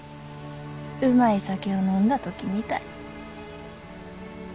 うまい酒を飲んだ時みたい。